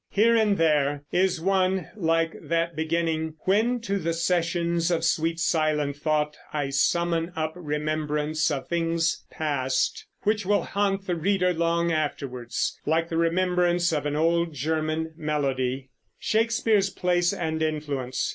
Here and there is one, like that beginning When to the sessions of sweet silent thought I summon up remembrance of things past, which will haunt the reader long afterwards, like the remembrance of an old German melody. SHAKESPEARE'S PLACE AND INFLUENCE.